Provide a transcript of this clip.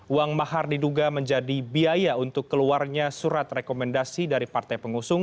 uang mahar diduga menjadi biaya untuk keluarnya surat rekomendasi dari partai pengusung